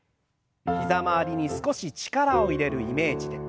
膝周りに少し力を入れるイメージで。